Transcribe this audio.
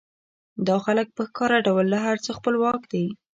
دا خلک په ښکاره ډول له هر څه خپلواک دي